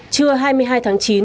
trưa hai mươi hai tháng chín